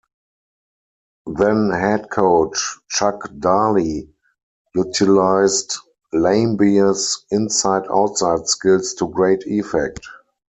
Then-head coach Chuck Daly utilized Laimbeer's inside-outside skills to great effect.